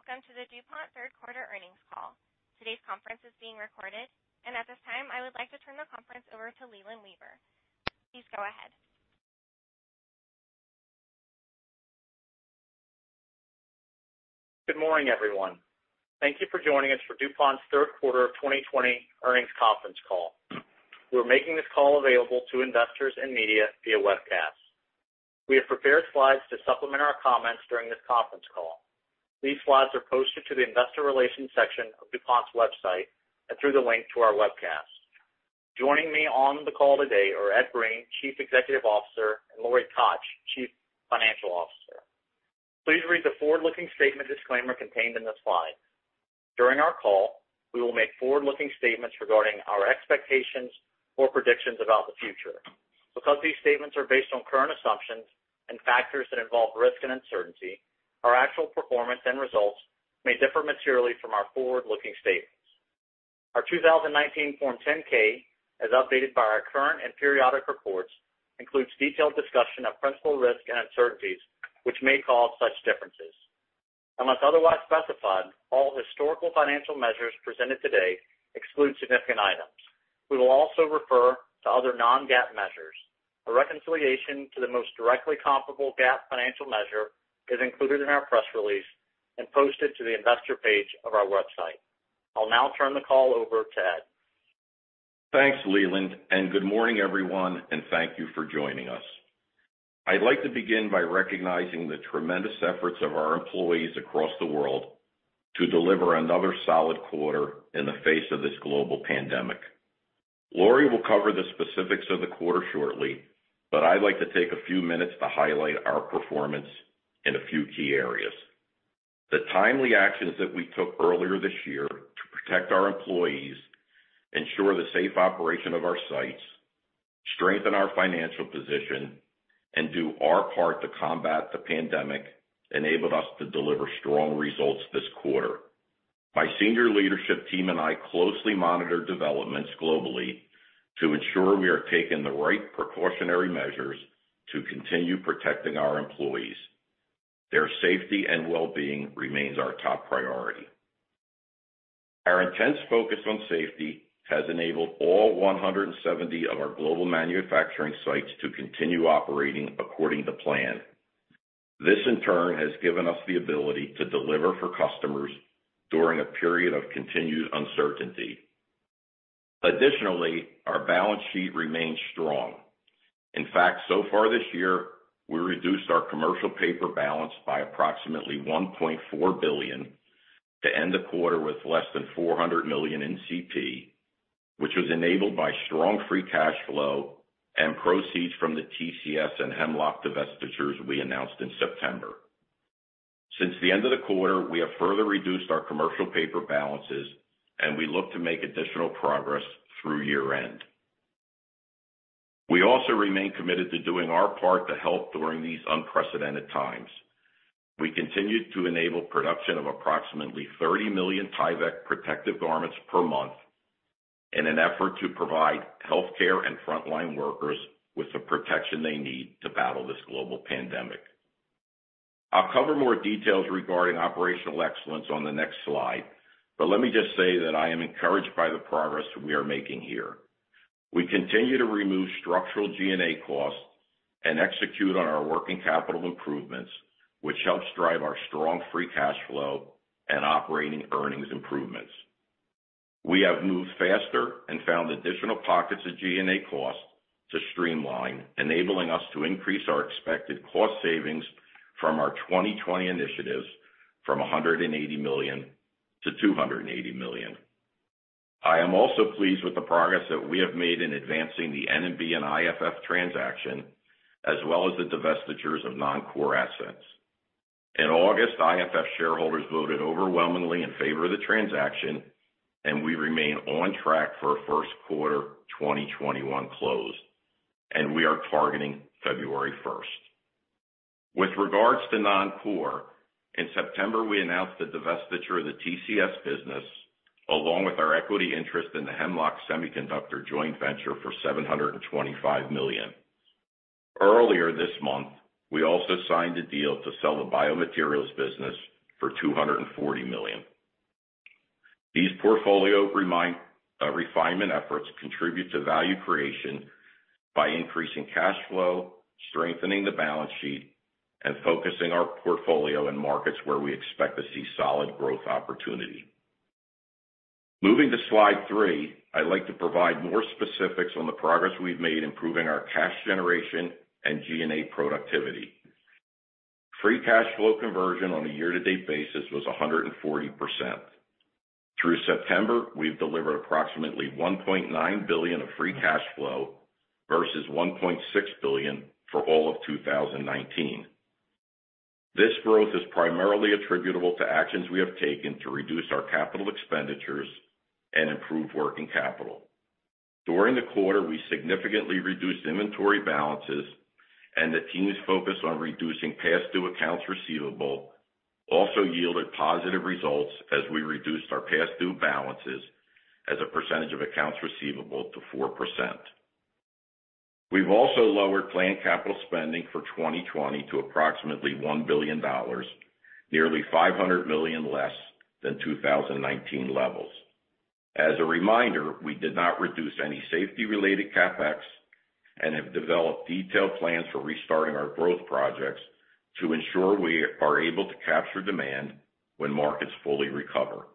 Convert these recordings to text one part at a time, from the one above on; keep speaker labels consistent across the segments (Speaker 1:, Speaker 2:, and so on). Speaker 1: Good day, and welcome to the DuPont third quarter earnings call. Today's conference is being recorded, and at this time, I would like to turn the conference over to Leland Weaver. Please go ahead.
Speaker 2: Good morning, everyone. Thank you for joining us for DuPont's third quarter of 2020 earnings conference call. We're making this call available to investors and media via webcast. We have prepared slides to supplement our comments during this conference call. These slides are posted to the investor relations section of DuPont's website and through the link to our webcast. Joining me on the call today are Ed Breen, Chief Executive Officer, and Lori Koch, Chief Financial Officer. Please read the forward-looking statement disclaimer contained in the slides. During our call, we will make forward-looking statements regarding our expectations or predictions about the future. Because these statements are based on current assumptions and factors that involve risk and uncertainty, our actual performance and results may differ materially from our forward-looking statements. Our 2019 Form 10-K, as updated by our current and periodic reports, includes detailed discussion of principal risks and uncertainties which may cause such differences. Unless otherwise specified, all historical financial measures presented today exclude significant items. We will also refer to other non-GAAP measures. A reconciliation to the most directly comparable GAAP financial measure is included in our press release and posted to the investor page of our website. I'll now turn the call over to Ed.
Speaker 3: Thanks, Leland. Good morning, everyone. Thank you for joining us. I'd like to begin by recognizing the tremendous efforts of our employees across the world to deliver another solid quarter in the face of this global pandemic. Lori will cover the specifics of the quarter shortly. I'd like to take a few minutes to highlight our performance in a few key areas. The timely actions that we took earlier this year to protect our employees, ensure the safe operation of our sites, strengthen our financial position, and do our part to combat the pandemic enabled us to deliver strong results this quarter. My senior leadership team and I closely monitor developments globally to ensure we are taking the right precautionary measures to continue protecting our employees. Their safety and wellbeing remains our top priority. Our intense focus on safety has enabled all 170 of our global manufacturing sites to continue operating according to plan. This, in turn, has given us the ability to deliver for customers during a period of continued uncertainty. Additionally, our balance sheet remains strong. In fact, so far this year, we reduced our commercial paper balance by approximately $1.4 billion to end the quarter with less than $400 million in CP, which was enabled by strong free cash flow and proceeds from the TCS and Hemlock divestitures we announced in September. Since the end of the quarter, we have further reduced our commercial paper balances, and we look to make additional progress through year-end. We also remain committed to doing our part to help during these unprecedented times. We continued to enable production of approximately 30 million Tyvek protective garments per month in an effort to provide healthcare and frontline workers with the protection they need to battle this global pandemic. I'll cover more details regarding operational excellence on the next slide. Let me just say that I am encouraged by the progress we are making here. We continue to remove structural G&A costs and execute on our working capital improvements, which helps drive our strong free cash flow and operating earnings improvements. We have moved faster and found additional pockets of G&A costs to streamline, enabling us to increase our expected cost savings from our 2020 initiatives from $180 million to $280 million. I am also pleased with the progress that we have made in advancing the N&B and IFF transaction, as well as the divestitures of non-core assets. In August, IFF shareholders voted overwhelmingly in favor of the transaction, and we remain on track for a first quarter 2021 close, and we are targeting February 1st. With regards to non-core, in September, we announced the divestiture of the TCS business, along with our equity interest in the Hemlock Semiconductor joint venture for $725 million. Earlier this month, we also signed a deal to sell the biomaterials business for $240 million. These portfolio refinement efforts contribute to value creation by increasing cash flow, strengthening the balance sheet, and focusing our portfolio in markets where we expect to see solid growth opportunity. Moving to slide three, I'd like to provide more specifics on the progress we've made improving our cash generation and G&A productivity. Free cash flow conversion on a year-to-date basis was 140%. Through September, we've delivered approximately $1.9 billion of free cash flow versus $1.6 billion for all of 2019. This growth is primarily attributable to actions we have taken to reduce our capital expenditures and improve working capital. During the quarter, we significantly reduced inventory balances, the team's focus on reducing past due accounts receivable also yielded positive results as we reduced our past due balances as a percentage of accounts receivable to 4%. We've also lowered planned capital spending for 2020 to approximately $1 billion, nearly $500 million less than 2019 levels. As a reminder, we did not reduce any safety-related CapEx and have developed detailed plans for restarting our growth projects to ensure we are able to capture demand when markets fully recover.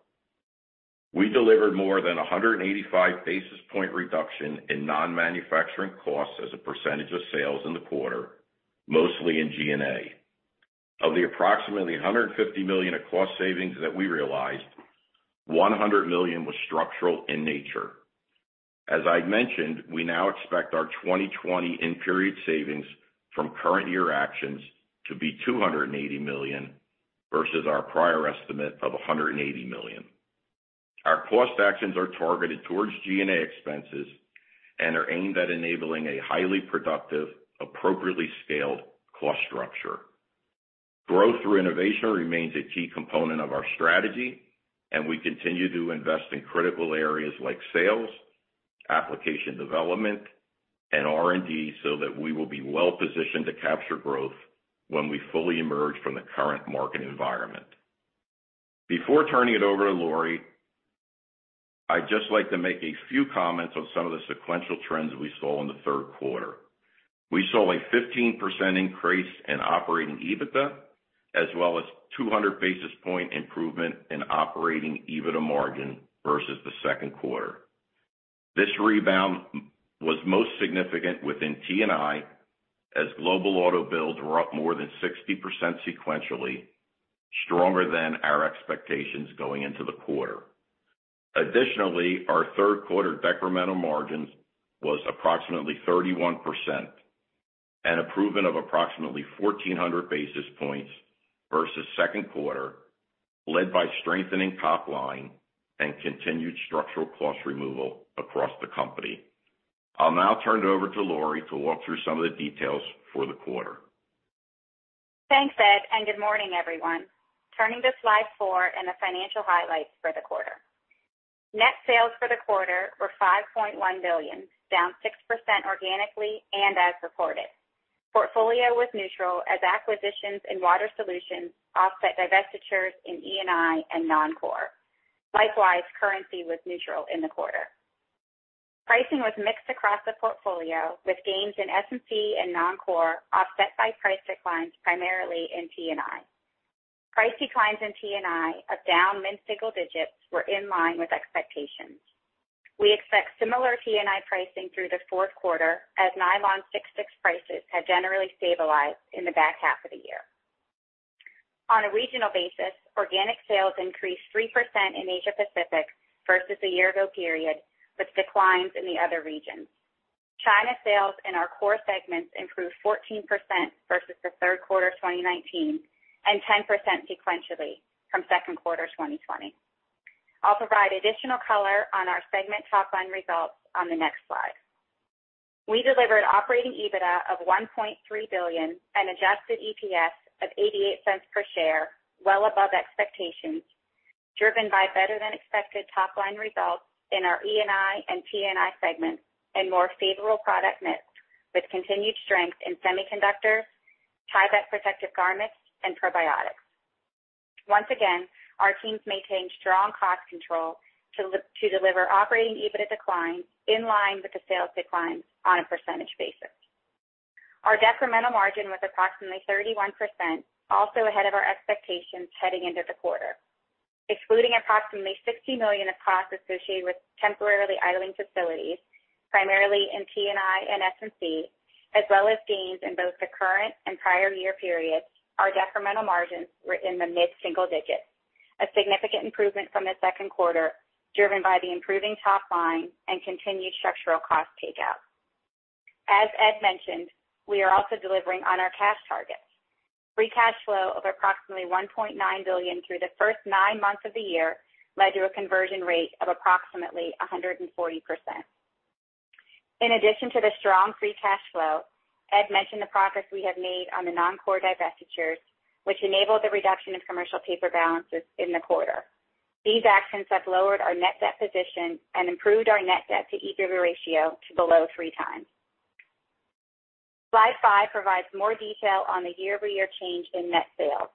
Speaker 3: We delivered more than 185 basis point reduction in non-manufacturing costs as a percentage of sales in the quarter, mostly in G&A. Of the approximately $150 million of cost savings that we realized, $100 million was structural in nature. As I mentioned, we now expect our 2020 in-period savings from current year actions to be $280 million versus our prior estimate of $180 million. Our cost actions are targeted towards G&A expenses and are aimed at enabling a highly productive, appropriately scaled cost structure. We continue to invest in critical areas like sales, application development, and R&D so that we will be well-positioned to capture growth when we fully emerge from the current market environment. Before turning it over to Lori, I'd just like to make a few comments on some of the sequential trends we saw in the third quarter. We saw a 15% increase in operating EBITDA, as well as 200 basis point improvement in operating EBITDA margin versus the second quarter. This rebound was most significant within T&I, as global auto builds were up more than 60% sequentially, stronger than our expectations going into the quarter. Additionally, our third quarter decremental margins was approximately 31%, an improvement of approximately 1,400 basis points versus second quarter, led by strengthening top line and continued structural cost removal across the company. I'll now turn it over to Lori to walk through some of the details for the quarter.
Speaker 4: Thanks, Ed, and good morning, everyone. Turning to slide four and the financial highlights for the quarter. Net sales for the quarter were $5.1 billion, down 6% organically and as reported. Portfolio was neutral as acquisitions in water solutions offset divestitures in E&I and non-core. Likewise, currency was neutral in the quarter. Pricing was mixed across the portfolio with gains in S&C and non-core offset by price declines primarily in T&I. Price declines in T&I of down mid-single digits were in line with expectations. We expect similar T&I pricing through the fourth quarter as nylon 66 prices have generally stabilized in the back half of the year. On a regional basis, organic sales increased 3% in Asia Pacific versus a year ago period, with declines in the other regions. China sales in our core segments improved 14% versus the third quarter of 2019, and 10% sequentially from second quarter 2020. I'll provide additional color on our segment top-line results on the next slide. We delivered operating EBITDA of $1.3 billion and adjusted EPS of $0.88 per share, well above expectations, driven by better than expected top-line results in our E&I and T&I segments and more favorable product mix, with continued strength in semiconductors, Tyvek protective garments, and probiotics. Once again, our teams maintained strong cost control to deliver operating EBITDA declines in line with the sales declines on a percentage basis. Our decremental margin was approximately 31%, also ahead of our expectations heading into the quarter. Excluding approximately $60 million of costs associated with temporarily idling facilities, primarily in T&I and S&C, as well as gains in both the current and prior year periods, our decremental margins were in the mid-single digits, a significant improvement from the second quarter, driven by the improving top line and continued structural cost takeout. As Ed mentioned, we are also delivering on our cash targets. Free cash flow of approximately $1.9 billion through the first nine months of the year led to a conversion rate of approximately 140%. In addition to the strong free cash flow, Ed mentioned the progress we have made on the non-core divestitures, which enabled the reduction of commercial paper balances in the quarter. These actions have lowered our net debt position and improved our net debt to EBITDA ratio to below three times. Slide five provides more detail on the year-over-year change in net sales.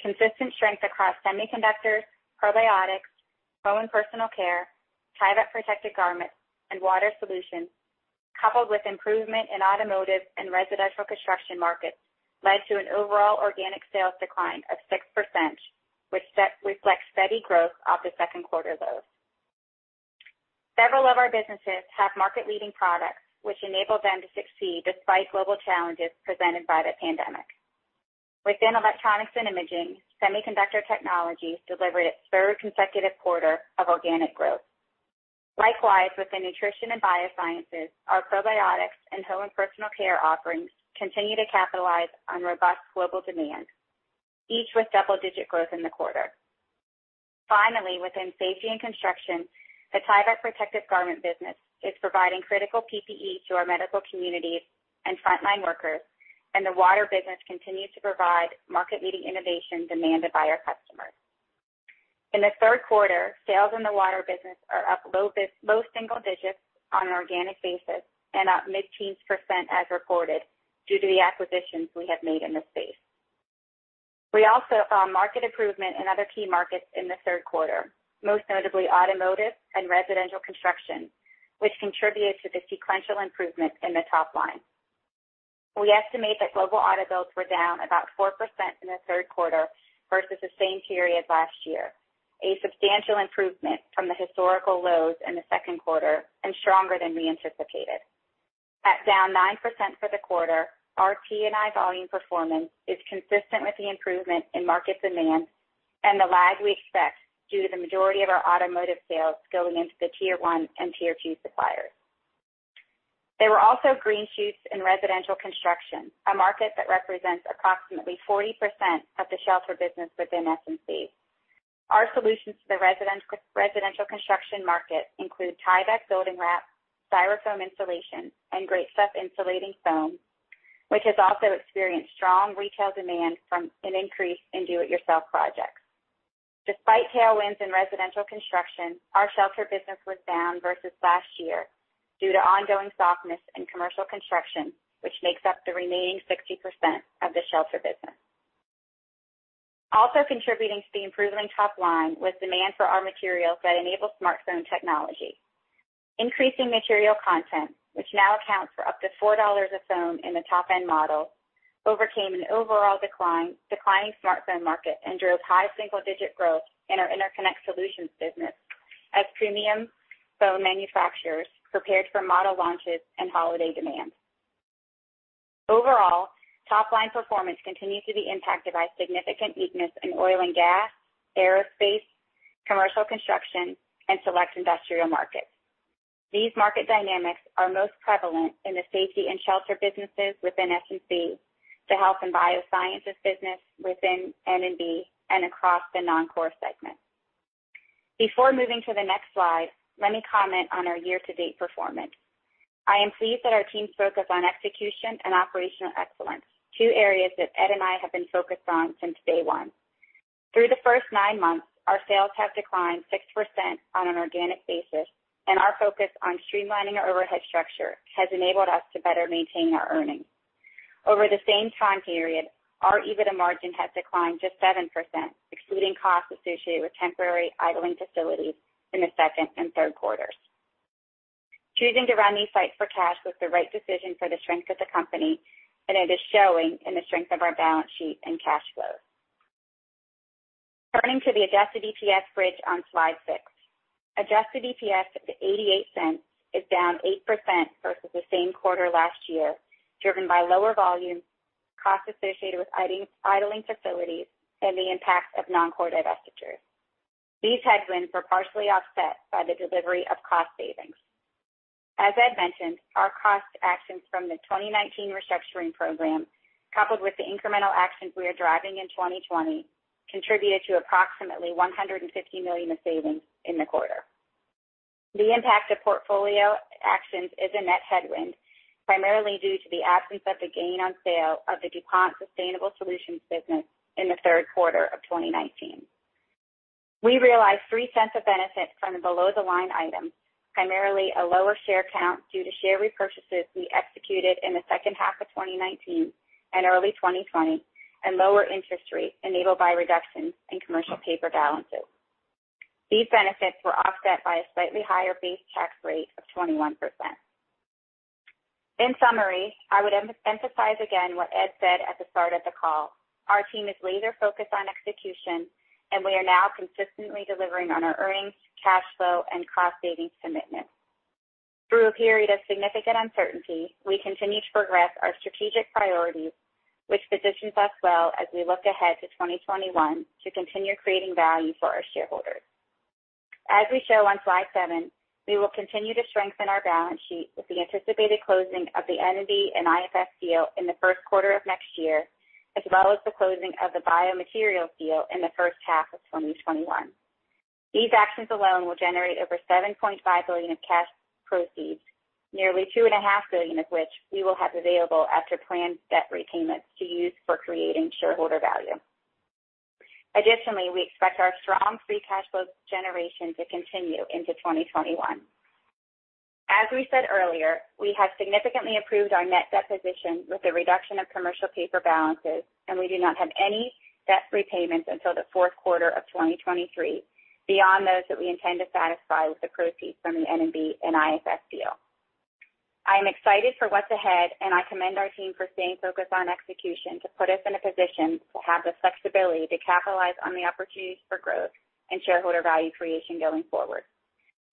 Speaker 4: Consistent strength across semiconductors, probiotics, home and personal care, Tyvek protective garments, and water solutions, coupled with improvement in automotive and residential construction markets, led to an overall organic sales decline of 6%, which reflects steady growth off the second quarter lows. Several of our businesses have market-leading products, which enable them to succeed despite global challenges presented by the pandemic. Within Electronics & Imaging, semiconductor technologies delivered its third consecutive quarter of organic growth. Likewise, within Nutrition & Biosciences, our probiotics and home and personal care offerings continue to capitalize on robust global demand, each with double-digit growth in the quarter. Finally, within Safety & Construction, the Tyvek protective garment business is providing critical PPE to our medical communities and frontline workers, and the water business continues to provide market-leading innovation demanded by our customers. In the third quarter, sales in the water business are up low single digits on an organic basis and up mid-teens % as reported due to the acquisitions we have made in this space. We also saw market improvement in other key markets in the third quarter, most notably automotive and residential construction, which contributed to the sequential improvement in the top line. We estimate that global auto builds were down about 4% in the third quarter versus the same period last year, a substantial improvement from the historical lows in the second quarter and stronger than we anticipated. At down 9% for the quarter, our T&I volume performance is consistent with the improvement in market demand and the lag we expect due to the majority of our automotive sales going into the tier 1 and tier 2 suppliers. There were also green shoots in residential construction, a market that represents approximately 40% of the shelter business within S&C. Our solutions to the residential construction market include Tyvek building wrap, Styrofoam insulation, and Great Stuff insulating foam, which has also experienced strong retail demand from an increase in do-it-yourself projects. Despite tailwinds in residential construction, our shelter business was down versus last year due to ongoing softness in commercial construction, which makes up the remaining 60% of the shelter business. Also contributing to the improvement in top line was demand for our materials that enable smartphone technology. Increasing material content, which now accounts for up to $4 of phone in the top-end model, overcame an overall declining smartphone market and drove high single-digit growth in our interconnect solutions business as premium phone manufacturers prepared for model launches and holiday demand. Overall, top-line performance continues to be impacted by significant weakness in oil and gas, aerospace, commercial construction, and select industrial markets. These market dynamics are most prevalent in the safety and shelter businesses within S&C, the health and biosciences business within N&B, and across the non-core segments. Before moving to the next slide, let me comment on our year-to-date performance. I am pleased that our team's focus on execution and operational excellence, two areas that Ed and I have been focused on since day one. Through the nine months, our sales have declined 6% on an organic basis, and our focus on streamlining our overhead structure has enabled us to better maintain our earnings. Over the same time period, our EBITDA margin has declined just 7%, excluding costs associated with temporary idling facilities in the second and third quarters. Choosing to run these sites for cash was the right decision for the strength of the company, and it is showing in the strength of our balance sheet and cash flow. Turning to the adjusted EPS bridge on slide six. Adjusted EPS of $0.88 is down 8% versus the same quarter last year, driven by lower volume, costs associated with idling facilities, and the impact of non-core divestitures. These headwinds were partially offset by the delivery of cost savings. As Ed mentioned, our cost actions from the 2019 restructuring program, coupled with the incremental actions we are driving in 2020, contributed to approximately $150 million of savings in the quarter. The impact of portfolio actions is a net headwind, primarily due to the absence of the gain on sale of the DuPont Sustainable Solutions business in the third quarter of 2019. We realized $0.03 of benefit from the below-the-line items, primarily a lower share count due to share repurchases we executed in the second half of 2019 and early 2020 and lower interest rates enabled by reductions in commercial paper balances. These benefits were offset by a slightly higher base tax rate of 21%. In summary, I would emphasize again what Ed said at the start of the call. Our team is laser-focused on execution, and we are now consistently delivering on our earnings, cash flow, and cost-savings commitments. Through a period of significant uncertainty, we continue to progress our strategic priorities, which positions us well as we look ahead to 2021 to continue creating value for our shareholders. As we show on slide seven, we will continue to strengthen our balance sheet with the anticipated closing of the N&B and IFF deal in the first quarter of next year, as well as the closing of the biomaterials deal in the first half of 2021. These actions alone will generate over $7.5 billion of cash proceeds, nearly $2.5 billion of which we will have available after planned debt repayments to use for creating shareholder value. Additionally, we expect our strong free cash flow generation to continue into 2021. As we said earlier, we have significantly improved our net debt position with the reduction of commercial paper balances, we do not have any debt repayments until the fourth quarter of 2023 beyond those that we intend to satisfy with the proceeds from the N&B and IFF deal. I am excited for what's ahead, I commend our team for staying focused on execution to put us in a position to have the flexibility to capitalize on the opportunities for growth and shareholder value creation going forward.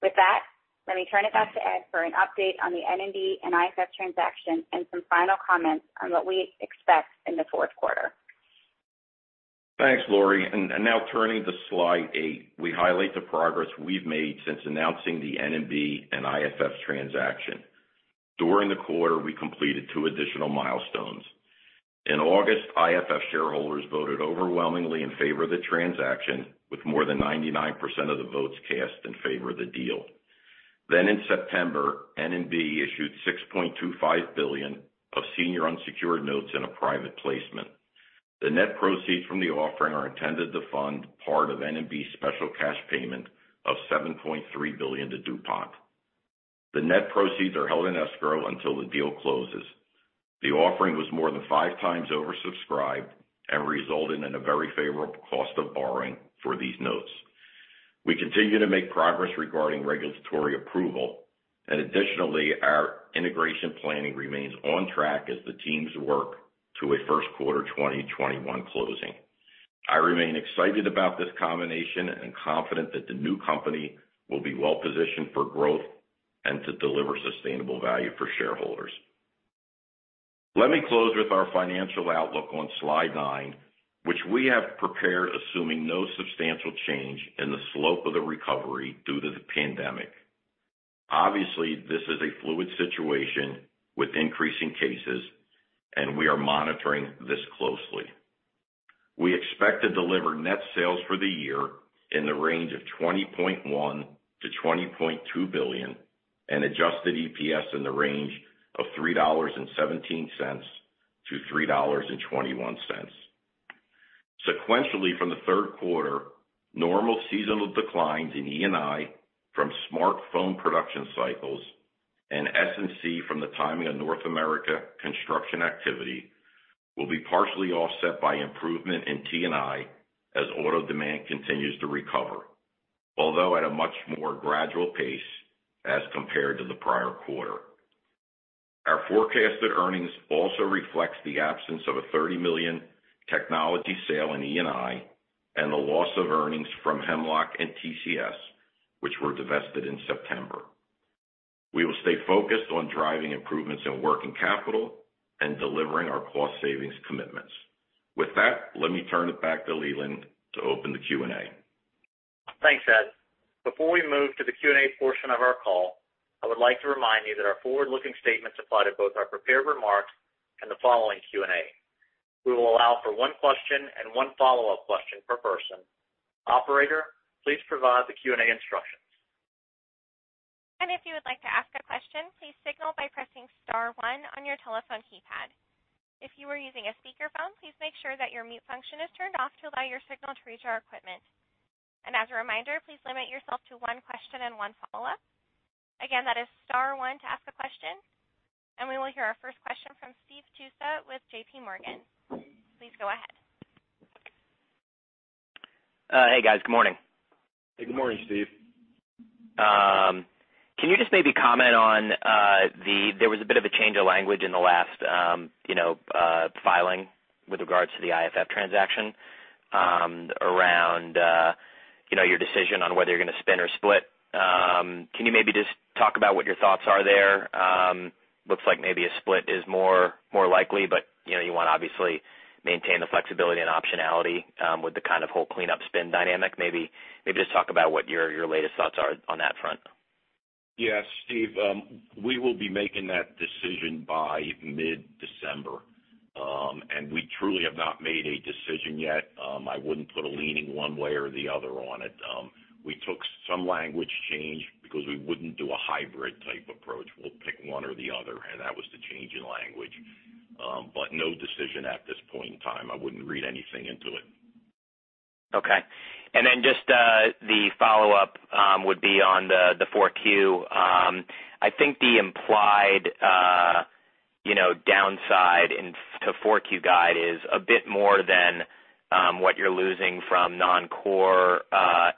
Speaker 4: With that, let me turn it back to Ed for an update on the N&B and IFF transaction and some final comments on what we expect in the fourth quarter.
Speaker 3: Now turning to slide eight, we highlight the progress we've made since announcing the N&B and IFF transaction. During the quarter, we completed two additional milestones. In August, IFF shareholders voted overwhelmingly in favor of the transaction, with more than 99% of the votes cast in favor of the deal. In September, N&B issued $6.25 billion of senior unsecured notes in a private placement. The net proceeds from the offering are intended to fund part of N&B's special cash payment of $7.3 billion to DuPont. The net proceeds are held in escrow until the deal closes. The offering was more than five times oversubscribed and resulted in a very favorable cost of borrowing for these notes. Additionally, our integration planning remains on track as the teams work to a first quarter 2021 closing. I remain excited about this combination and confident that the new company will be well-positioned for growth and to deliver sustainable value for shareholders. Let me close with our financial outlook on slide nine, which we have prepared assuming no substantial change in the slope of the recovery due to the pandemic. Obviously, this is a fluid situation with increasing cases, and we are monitoring this closely. We expect to deliver net sales for the year in the range of $20.1 billion-$20.2 billion and adjusted EPS in the range of $3.17-$3.21. Sequentially from the third quarter, normal seasonal declines in E&I from smartphone production cycles and S&C from the timing of North America construction activity will be partially offset by improvement in T&I as auto demand continues to recover. Although at a much more gradual pace as compared to the prior quarter. Our forecasted earnings also reflects the absence of a $30 million technology sale in E&I and the loss of earnings from Hemlock and TCS, which were divested in September. We will stay focused on driving improvements in working capital and delivering our cost savings commitments. With that, let me turn it back to Leland to open the Q&A.
Speaker 2: Thanks, Ed. Before we move to the Q&A portion of our call, I would like to remind you that our forward-looking statements apply to both our prepared remarks and the following Q&A. We will allow for one question and one follow-up question per person. Operator, please provide the Q&A instructions.
Speaker 1: If you would like to ask a question, please signal by pressing star one on your telephone keypad. If you are using a speakerphone, please make sure that your mute function is turned off to allow your signal to reach our equipment. As a reminder, please limit yourself to one question and one follow-up. Again, that is star one to ask a question. We will hear our first question from Steve Tusa with J.P. Morgan. Please go ahead.
Speaker 5: Hey, guys. Good morning.
Speaker 3: Hey, good morning, Steve.
Speaker 5: Can you just maybe comment on, there was a bit of a change of language in the last filing with regards to the IFF transaction, around your decision on whether you're going to spin or split. Can you maybe just talk about what your thoughts are there? Looks like maybe a split is more likely, but you want to obviously maintain the flexibility and optionality with the kind of whole cleanup spin dynamic. Maybe just talk about what your latest thoughts are on that front.
Speaker 3: Yeah, Steve, we will be making that decision by mid-December. We truly have not made a decision yet. I wouldn't put a leaning one way or the other on it. We took some language change because we wouldn't do a hybrid type approach. We'll pick one or the other, and that was the change in language. No decision at this point in time. I wouldn't read anything into it.
Speaker 5: Okay. Just the follow-up would be on the 4Q. I think the implied downside to 4Q guide is a bit more than what you're losing from non-core,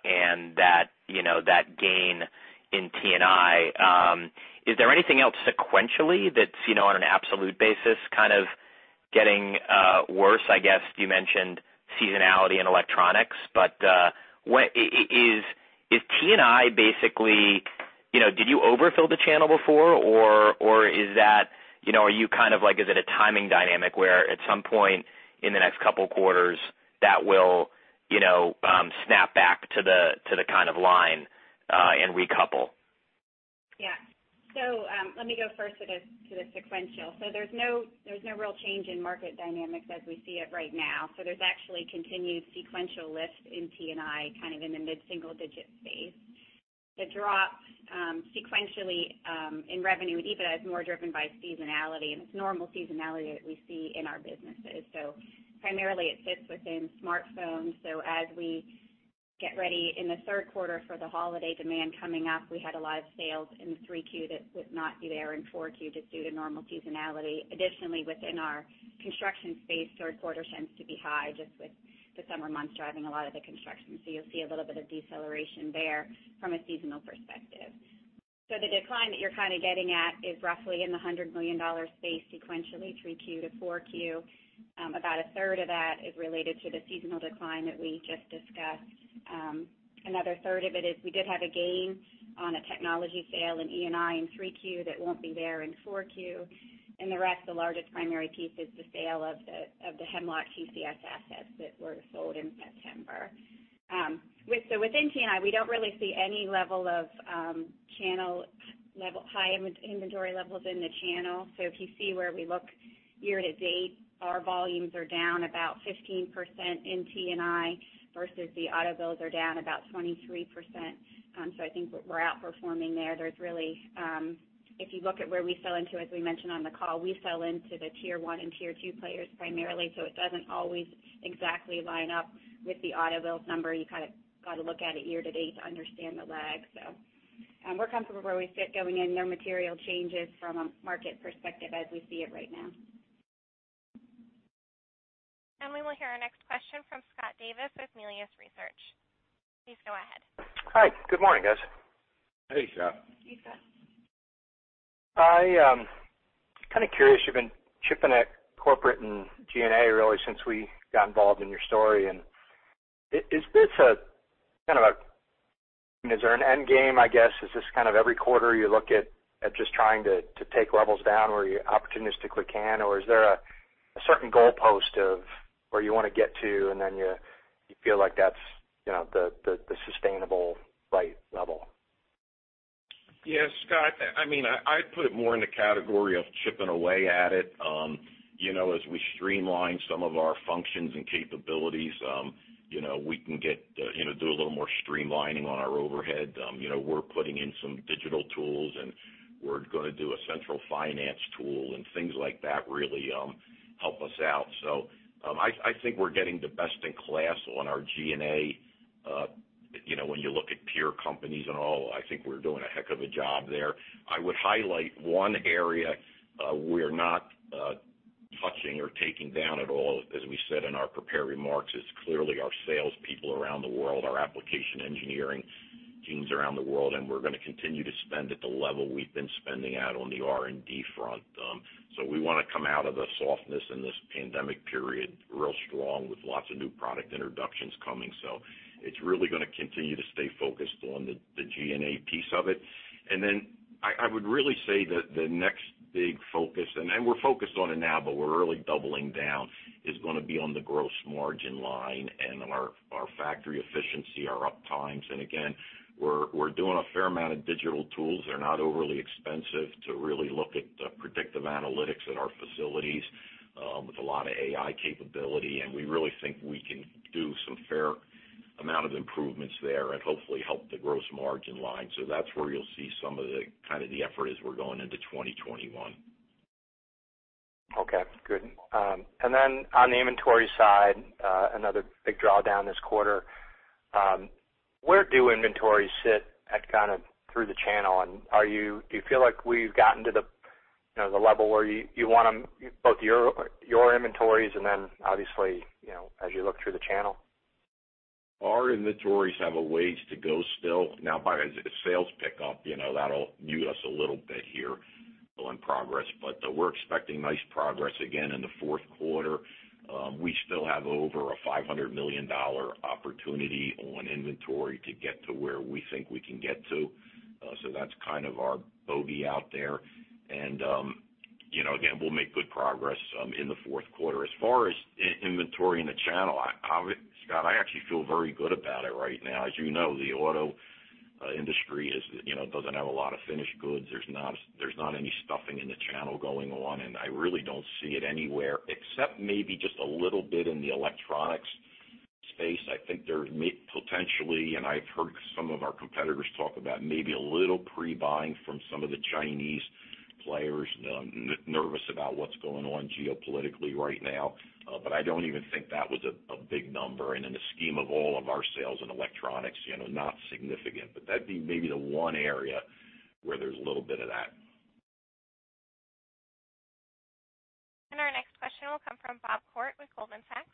Speaker 5: and that gain in T&I. Is there anything else sequentially that's on an absolute basis kind of getting worse, I guess? You mentioned seasonality in electronics, but is T&I basically, did you overfill the channel before? Is it a timing dynamic where at some point in the next couple quarters that will snap back to the kind of line and recouple?
Speaker 4: Yeah. Let me go first to the sequential. There's actually continued sequential lift in T&I, kind of in the mid-single digit space. The drop sequentially in revenue is even more driven by seasonality, and it's normal seasonality that we see in our businesses. Primarily it sits within smartphones. As we get ready in the third quarter for the holiday demand coming up, we had a lot of sales in 3Q that would not be there in 4Q just due to normal seasonality. Additionally, within our construction space, third quarter tends to be high just with the summer months driving a lot of the construction. You'll see a little bit of deceleration there from a seasonal perspective. The decline that you're kind of getting at is roughly in the $100 million space sequentially 3Q to 4Q. About a third of that is related to the seasonal decline that we just discussed. Another third of it is we did have a gain on a technology sale in E&I in 3Q that won't be there in 4Q. The rest, the largest primary piece is the sale of the Hemlock TCS assets that were sold in September. Within T&I, we don't really see any level of channel high inventory levels in the channel. If you see where we look year-to-date, our volumes are down about 15% in T&I, versus the auto builds are down about 23%. I think we're outperforming there. If you look at where we sell into, as we mentioned on the call, we sell into the tier 1 and tier 2 players primarily, so it doesn't always exactly line up with the auto builds number. You kind of got to look at it year-to-date to understand the lag. We're comfortable where we sit going in. No material changes from a market perspective as we see it right now.
Speaker 1: We will hear our next question from Scott Davis with Melius Research. Please go ahead.
Speaker 6: Hi. Good morning, guys.
Speaker 3: Hey, Scott.
Speaker 4: Hey, Scott.
Speaker 6: I'm kind of curious, you've been chipping at corporate and G&A really since we got involved in your story. Is there an end game, I guess? Is this kind of every quarter you look at just trying to take levels down where you opportunistically can, or is there a certain goalpost of where you want to get to and then you feel like that's the sustainable right level?
Speaker 3: Yeah, Scott, I'd put it more in the category of chipping away at it. As we streamline some of our functions and capabilities, we can do a little more streamlining on our overhead. We're putting in some digital tools, and we're going to do a central finance tool, and things like that really help us out. I think we're getting the best in class on our G&A. When you look at peer companies and all, I think we're doing a heck of a job there. I would highlight one area we're not touching or taking down at all, as we said in our prepared remarks, is clearly our salespeople around the world, our application engineering teams around the world, and we're going to continue to spend at the level we've been spending at on the R&D front. We want to come out of the softness in this pandemic period real strong with lots of new product introductions coming. It's really going to continue to stay focused on the G&A piece of it. I would really say that the next big focus, and we're focused on it now, but we're really doubling down, is going to be on the gross margin line and our factory efficiency, our up times. We're doing a fair amount of digital tools. They're not overly expensive to really look at the predictive analytics at our facilities with a lot of AI capability, and we really think we can do some fair amount of improvements there and hopefully help the gross margin line. That's where you'll see some of the effort as we're going into 2021.
Speaker 6: Okay, good. On the inventory side, another big drawdown this quarter. Where do inventories sit at kind of through the channel? Do you feel like we've gotten to the level where you want them, both your inventories and then obviously, as you look through the channel?
Speaker 3: Our inventories have a ways to go still. As sales pick up, that'll mute us a little bit here on progress. We're expecting nice progress again in the fourth quarter. We still have over a $500 million opportunity on inventory to get to where we think we can get to. That's kind of our bogey out there. Again, we'll make good progress in the fourth quarter. As far as inventory in the channel, Scott, I actually feel very good about it right now. As you know, the auto industry doesn't have a lot of finished goods. There's not any stuffing in the channel going on, and I really don't see it anywhere, except maybe just a little bit in the electronics space. I think there may potentially, and I've heard some of our competitors talk about maybe a little pre-buying from some of the Chinese players nervous about what's going on geopolitically right now. I don't even think that was a big number, and in the scheme of all of our sales in electronics, not significant. That'd be maybe the one area where there's a little bit of that.
Speaker 1: Our next question will come from Bob Koort with Goldman Sachs.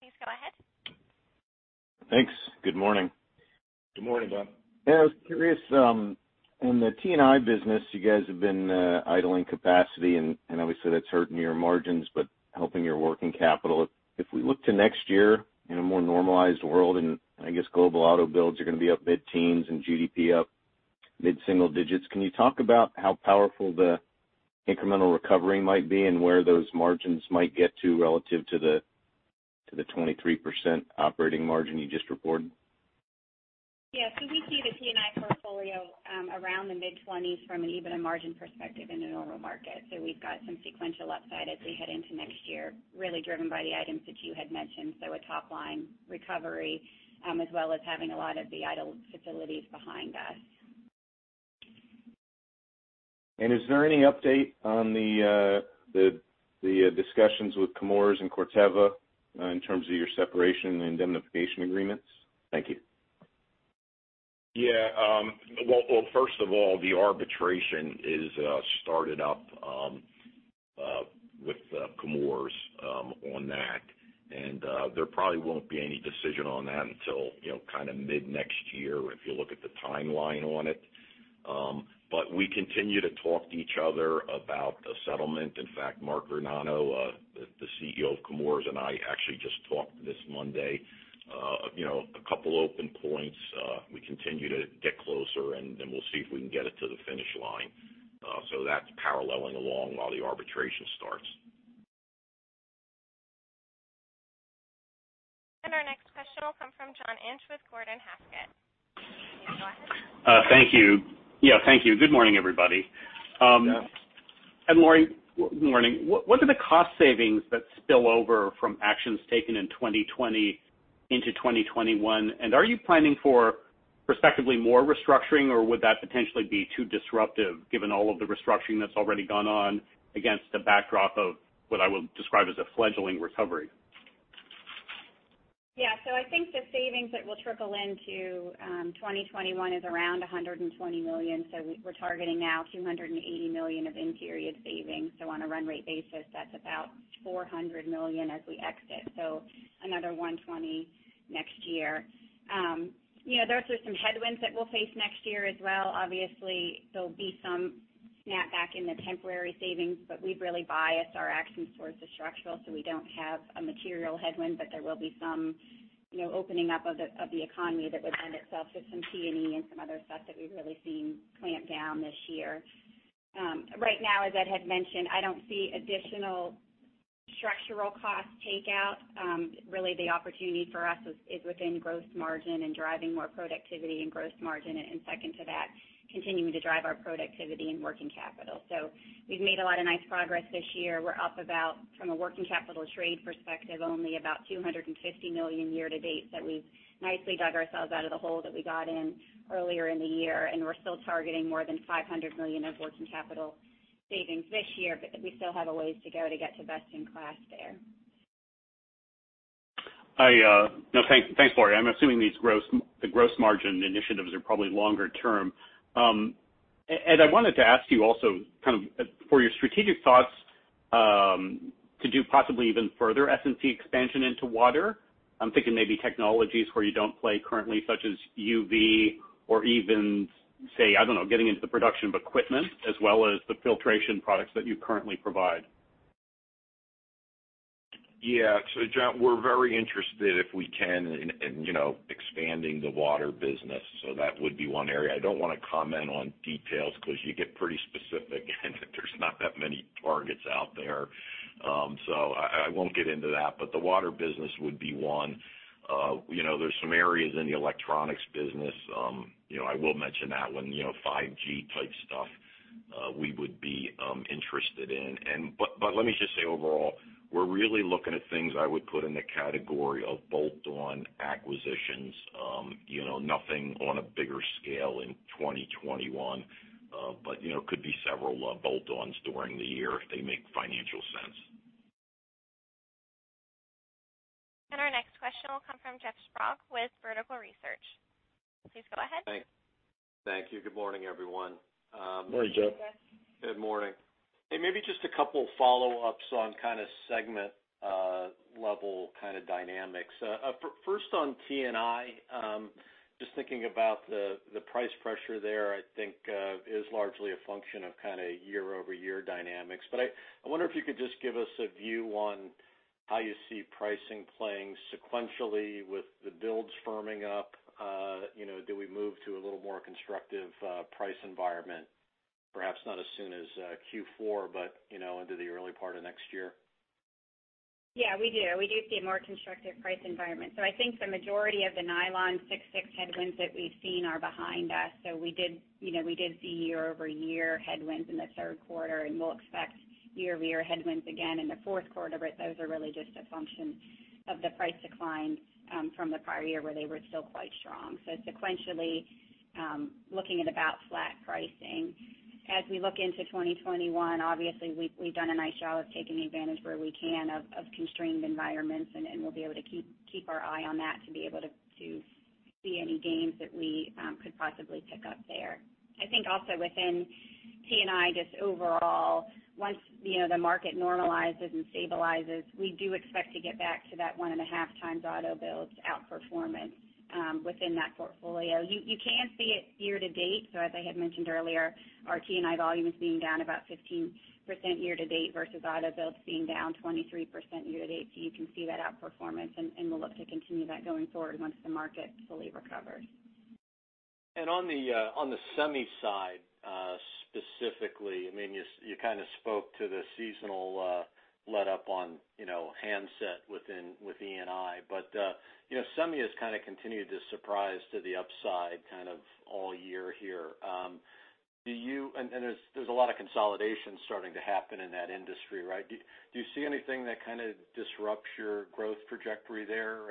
Speaker 1: Please go ahead.
Speaker 7: Thanks. Good morning.
Speaker 3: Good morning, Bob.
Speaker 7: Yeah, I was curious. In the T&I business, you guys have been idling capacity, and obviously, that's hurting your margins, but helping your working capital. If we look to next year in a more normalized world, and I guess global auto builds are going to be up mid-teens and GDP up mid-single digits, can you talk about how powerful the incremental recovery might be and where those margins might get to relative to the 23% operating margin you just reported?
Speaker 4: Yeah. We see the T&I portfolio around the mid-20s from even a margin perspective in a normal market. We've got some sequential upside as we head into next year, really driven by the items that you had mentioned. A top-line recovery as well as having a lot of the idle facilities behind us.
Speaker 7: Is there any update on the discussions with Chemours and Corteva in terms of your separation and indemnification agreements? Thank you.
Speaker 3: Yeah. Well, first of all, the arbitration is started up with Chemours on that. There probably won't be any decision on that until kind of mid-next year if you look at the timeline on it. We continue to talk to each other about a settlement. In fact, Mark Vergnano, the CEO of Chemours, and I actually just talked this Monday. A couple open points. We continue to get closer, and then we'll see if we can get it to the finish line. That's paralleling along while the arbitration starts.
Speaker 1: John Inch with Gordon Haskett. Go ahead.
Speaker 8: Thank you. Good morning, everybody.
Speaker 3: Yeah.
Speaker 8: Lori, good morning. What are the cost savings that spill over from actions taken in 2020 into 2021? Are you planning for respectively more restructuring, or would that potentially be too disruptive given all of the restructuring that's already gone on against a backdrop of what I will describe as a fledgling recovery?
Speaker 4: I think the savings that will trickle into 2021 is around $120 million. We're targeting now $280 million of in-period savings. On a run rate basis, that's about $400 million as we exit. Another $120 next year. Those are some headwinds that we'll face next year as well. Obviously, there'll be some snapback in the temporary savings, but we've really biased our actions towards the structural, so we don't have a material headwind, but there will be some opening up of the economy that would lend itself to some T&E and some other stuff that we've really seen clamp down this year. Right now, as Ed had mentioned, I don't see additional structural cost takeout. Really the opportunity for us is within gross margin and driving more productivity and gross margin, and second to that, continuing to drive our productivity and working capital. We've made a lot of nice progress this year. We're up about, from a working capital trade perspective, only about $250 million year to date that we've nicely dug ourselves out of the hole that we got in earlier in the year. We're still targeting more than $500 million of working capital savings this year, but we still have a ways to go to get to best in class there.
Speaker 8: Thanks, Lori. I'm assuming the gross margin initiatives are probably longer- term. Ed, I wanted to ask you also for your strategic thoughts to do possibly even further S&T expansion into water. I'm thinking maybe technologies where you don't play currently, such as UV or even, say, I don't know, getting into the production of equipment as well as the filtration products that you currently provide.
Speaker 3: Yeah. John, we're very interested if we can in expanding the water business. I don't want to comment on details because you get pretty specific, and there's not that many targets out there. I won't get into that. The water business would be one. There are some areas in the electronics business. I will mention that one, 5G type stuff, we would be interested in. Let me just say overall, we're really looking at things I would put in the category of bolt-on acquisitions. Nothing on a bigger scale in 2021. Could be several bolt-ons during the year if they make financial sense.
Speaker 1: Our next question will come from Jeff Sprague with Vertical Research. Please go ahead.
Speaker 9: Thank you. Good morning, everyone.
Speaker 3: Morning, Jeff.
Speaker 4: Good morning, Jeff.
Speaker 9: Good morning. Hey, maybe just a couple of follow-ups on kind of segment level kind of dynamics. First on T&I, just thinking about the price pressure there, I think is largely a function of year-over-year dynamics. I wonder if you could just give us a view on how you see pricing playing sequentially with the builds firming up. Do we move to a little more constructive price environment, perhaps not as soon as Q4, but into the early part of next year?
Speaker 4: Yeah, we do. We do see a more constructive price environment. I think the majority of the Nylon 6,6 headwinds that we've seen are behind us. We did see year-over-year headwinds in the third quarter, and we'll expect year-over-year headwinds again in the fourth quarter. Those are really just a function of the price decline from the prior year where they were still quite strong. Sequentially, looking at about flat pricing. As we look into 2021, obviously, we've done a nice job of taking advantage where we can of constrained environments, and we'll be able to keep our eye on that to be able to see any gains that we could possibly pick up there. I think also within T&I, just overall, once the market normalizes and stabilizes, we do expect to get back to that one and a half times auto builds outperformance within that portfolio. You can see it year to date. As I had mentioned earlier, our T&I volume is being down about 15% year to date versus auto builds being down 23% year to date. You can see that outperformance, and we'll look to continue that going forward once the market fully recovers.
Speaker 9: On the semi side, specifically, you kind of spoke to the seasonal letup on handset with E&I, but semi has kind of continued to surprise to the upside kind of all year here. There's a lot of consolidation starting to happen in that industry, right? Do you see anything that kind of disrupts your growth trajectory there?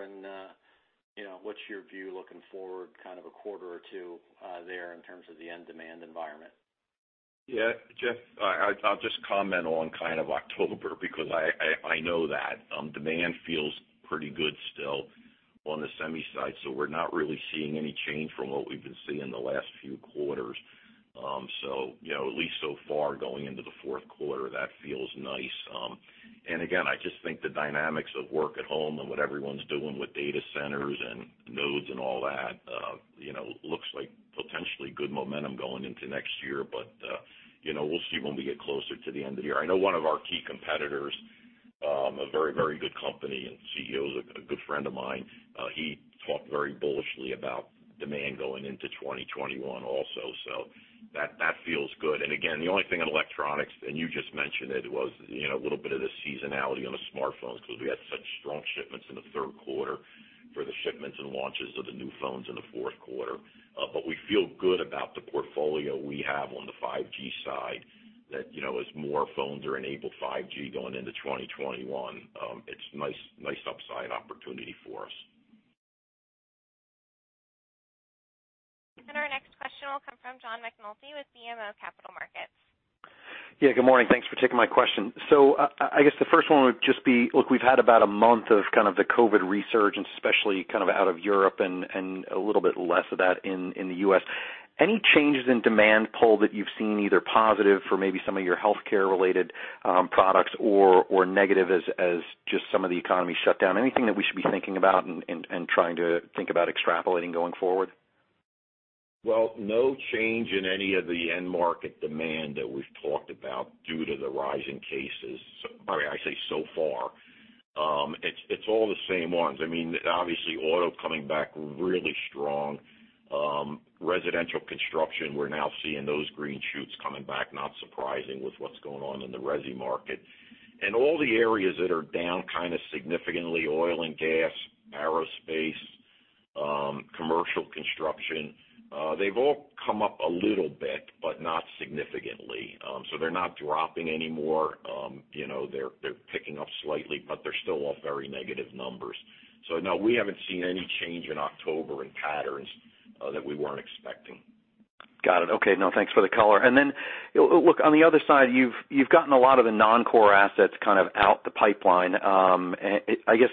Speaker 9: What's your view looking forward kind of a quarter or two there in terms of the end demand environment?
Speaker 3: Yeah. Jeff, I'll just comment on kind of October because I know that demand feels pretty good still on the semi side, so we're not really seeing any change from what we've been seeing the last few quarters. At least so far going into the fourth quarter, that feels nice. Again, I just think the dynamics of work at home and what everyone's doing with data centers and nodes and all that looks like potentially good momentum going into next year. We'll see when we get closer to the end of the year. I know one of our key competitors, a very good company, and the CEO is a good friend of mine. He talked very bullishly about demand going into 2021 also. That feels good. Again, the only thing in electronics, and you just mentioned it, was a little bit of the seasonality on the smartphones because we had such strong shipments in the third quarter for the shipments and launches of the new phones in the fourth quarter. We feel good about the portfolio we have on the 5G side that as more phones are enabled 5G going into 2021, it's nice upside opportunity for us.
Speaker 1: Our next question will come from John McNulty with BMO Capital Markets.
Speaker 10: Yeah, good morning. Thanks for taking my question. I guess the first one would just be, look, we've had about a month of kind of the COVID resurgence, especially kind of out of Europe and a little bit less of that in the U.S. Any changes in demand pull that you've seen, either positive for maybe some of your healthcare related products or negative as just some of the economy shut down? Anything that we should be thinking about and trying to think about extrapolating going forward?
Speaker 3: Well, no change in any of the end market demand that we've talked about due to the rise in cases, I say so far. It's all the same ones. Oil coming back really strong. Residential construction, we're now seeing those green shoots coming back, not surprising with what's going on in the resi market. All the areas that are down kind of significantly, oil and gas, aerospace, commercial construction, they've all come up a little bit, but not significantly. They're not dropping anymore. They're picking up slightly, but they're still off very negative numbers. No, we haven't seen any change in October in patterns that we weren't expecting.
Speaker 10: Got it. Okay. No, thanks for the color. Then, look, on the other side, you've gotten a lot of the non-core assets out the pipeline. I guess,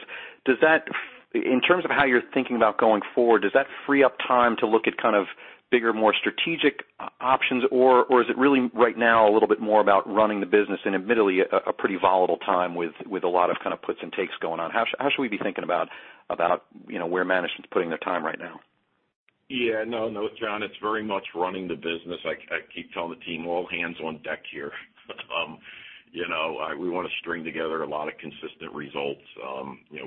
Speaker 10: in terms of how you're thinking about going forward, does that free up time to look at kind of bigger, more strategic options? Or is it really right now a little bit more about running the business in admittedly a pretty volatile time with a lot of puts and takes going on? How should we be thinking about where management's putting their time right now?
Speaker 3: Yeah. No, John, it's very much running the business. I keep telling the team, all hands on deck here. We want to string together a lot of consistent results.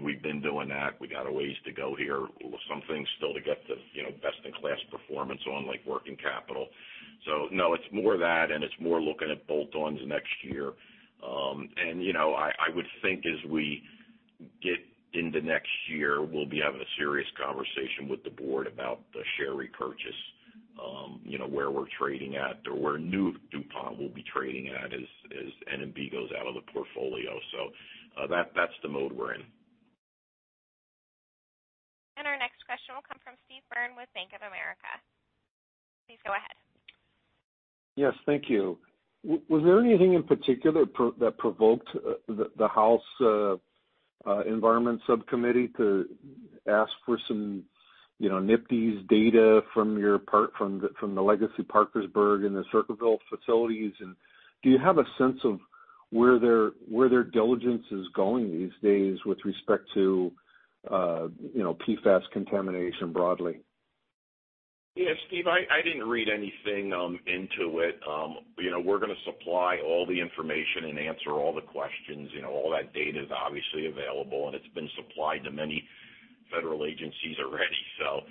Speaker 3: We've been doing that. We got a ways to go here. Some things still to get the best in class performance on, like working capital. No, it's more that, and it's more looking at bolt-ons next year. I would think as we get into next year, we'll be having a serious conversation with the board about the share repurchase, where we're trading at or where new DuPont will be trading at as N&B goes out of the portfolio. That's the mode we're in.
Speaker 1: Our next question will come from Steve Byrne with Bank of America. Please go ahead.
Speaker 11: Yes, thank you. Was there anything in particular that provoked the House Environment Subcommittee to ask for some PFAS data from the legacy Parkersburg and the Circleville facilities, and do you have a sense of where their diligence is going these days with respect to PFAS contamination broadly?
Speaker 3: Steve, I didn't read anything into it. We're going to supply all the information and answer all the questions. All that data is obviously available, and it's been supplied to many federal agencies already, so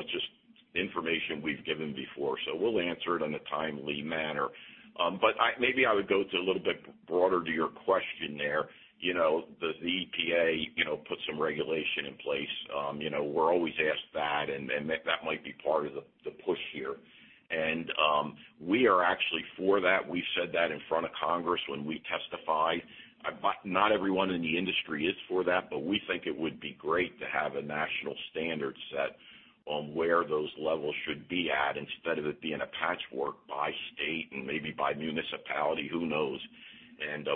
Speaker 3: it's just information we've given before, so we'll answer it in a timely manner. Maybe I would go to a little bit broader to your question there. Does the EPA put some regulation in place? We're always asked that, and that might be part of the push here. We are actually for that. We said that in front of Congress when we testified. Not everyone in the industry is for that, but we think it would be great to have a national standard set on where those levels should be at, instead of it being a patchwork by state and maybe by municipality, who knows.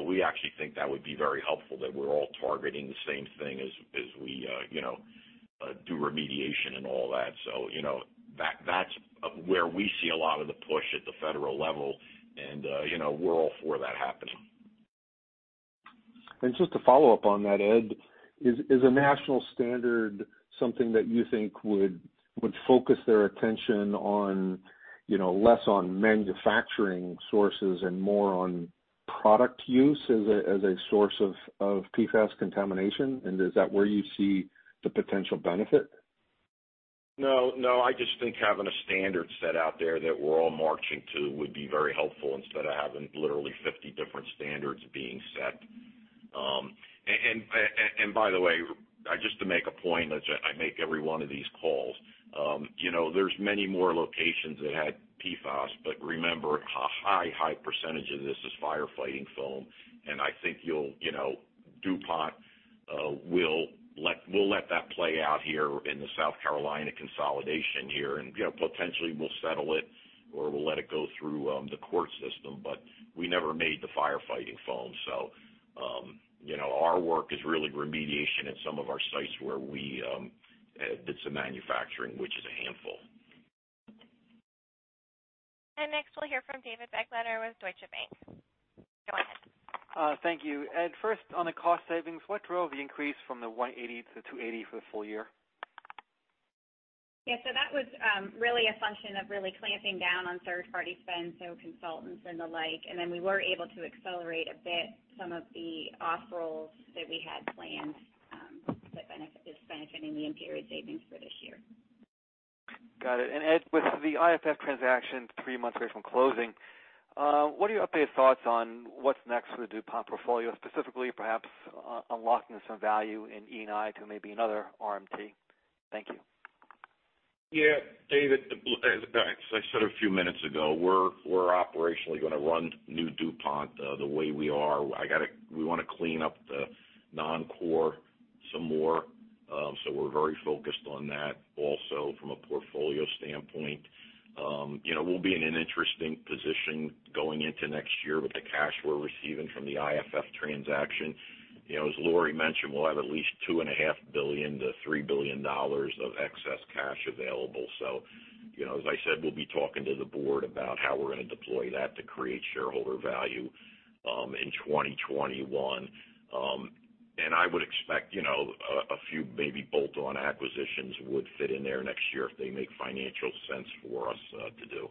Speaker 3: We actually think that would be very helpful, that we're all targeting the same thing as we do remediation and all that. That's where we see a lot of the push at the federal level, and we're all for that happening.
Speaker 11: Just to follow up on that, Ed, is a national standard something that you think would focus their attention less on manufacturing sources and more on product use as a source of PFAS contamination? Is that where you see the potential benefit?
Speaker 3: No, I just think having a standard set out there that we're all marching to would be very helpful instead of having literally 50 different standards being set. By the way, just to make a point that I make every one of these calls. There's many more locations that had PFAS, but remember, a high percentage of this is firefighting foam, and I think DuPont will let that play out here in the South Carolina consolidation here, and potentially we'll settle it or we'll let it go through the court system, but we never made the firefighting foam. Our work is really remediation at some of our sites where it's a manufacturing, which is a handful.
Speaker 1: Next we'll hear from David Begleiter with Deutsche Bank. Go ahead.
Speaker 12: Thank you. Ed, first on the cost savings, what drove the increase from the $180 to the $280 for the full -year?
Speaker 4: Yeah, that was really a function of really clamping down on third party spend, so consultants and the like, and then we were able to accelerate a bit some of the off rolls that we had planned that is benefiting the in-period savings for this year.
Speaker 12: Got it. Ed, with the IFF transaction three months away from closing, what are your updated thoughts on what's next for the DuPont portfolio, specifically perhaps unlocking some value in E&I to maybe another RMT? Thank you.
Speaker 3: David, as I said a few minutes ago, we're operationally going to run new DuPont the way we are. We want to clean up the non-core some more. We're very focused on that also from a portfolio standpoint. We'll be in an interesting position going into next year with the cash we're receiving from the IFF transaction. As Lori mentioned, we'll have at least $2.5 billion to $3 billion of excess cash available. As I said, we'll be talking to the board about how we're going to deploy that to create shareholder value in 2021. I would expect a few maybe bolt-on acquisitions would fit in there next year if they make financial sense for us to do.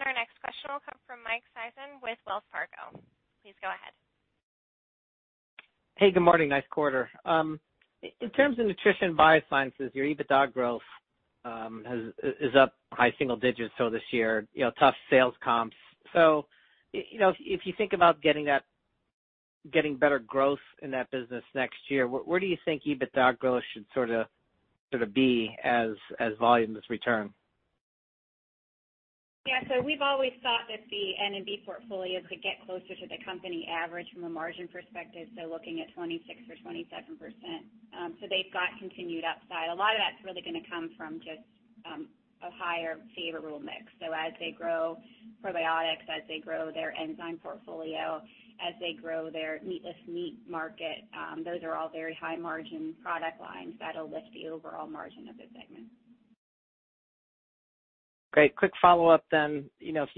Speaker 1: Our next question will come from Mike Sison with Wells Fargo. Please go ahead.
Speaker 13: Hey, good morning. Nice quarter. In terms of Nutrition & Biosciences, your EBITDA growth is up high single digits this year, tough sales comps. If you think about getting better growth in that business next year, where do you think EBITDA growth should sort of be as volume is returned?
Speaker 4: Yeah. We've always thought that the N&B portfolio could get closer to the company average from a margin perspective, looking at 26% or 27%. They've got continued upside. A lot of that's really going to come from just a higher favorable mix. As they grow probiotics, as they grow their enzyme portfolio, as they grow their meatless meat market, those are all very high margin product lines that'll lift the overall margin of the segment.
Speaker 13: Great. Quick follow-up then. If